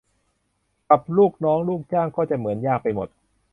กับลูกน้องลูกจ้างก็เหมือนจะยากไปหมด